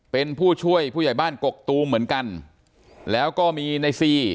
เป็นผู้ช่วยผู้ใหญ่บ้านกกตูมเหมือนกันแล้วก็มีในซี